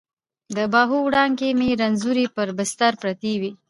د باهو وړانګې مې رنځورې پر بستر پرتې وي